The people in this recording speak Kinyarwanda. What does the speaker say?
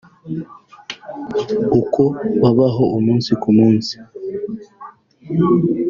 uko babaho umunsi ku munsi